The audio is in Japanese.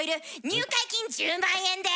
入会金１０万円で！